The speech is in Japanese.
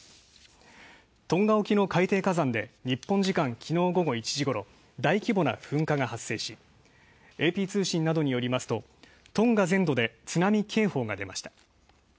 トンガ沖の海底火山で日本時間昨日午後１時頃大規模な噴火が発生し、ＡＰ通信などによりますとトンガ全土で津波警報が出ました。